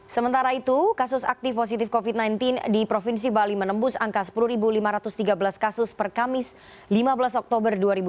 sementara itu kasus aktif positif covid sembilan belas di provinsi bali menembus angka sepuluh lima ratus tiga belas kasus per kamis lima belas oktober dua ribu dua puluh